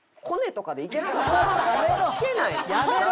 やめろ！